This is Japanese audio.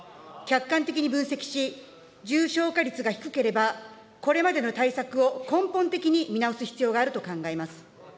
客観的に分析し、重症化率が低ければ、これまでの対策を根本的に見直す必要があると考えます。